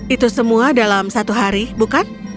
itu semua dalam satu hari bukan